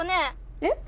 えっ？